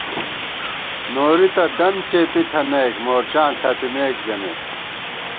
نوری تہ دن څېپی تھنَئیک مورچاں ݪَپِمېک ژَمېت